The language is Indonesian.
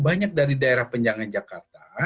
banyak dari daerah penyangga jakarta